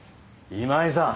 今井さん。